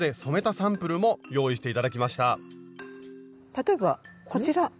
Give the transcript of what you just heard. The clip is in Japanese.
例えばこちら。